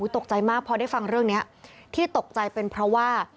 ตกใจมากพอได้ฟังเรื่องนี้ที่ตกใจเป็นเพราะว่า